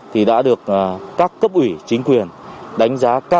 thì đã được các cấp ủy chính quyền đánh giá cao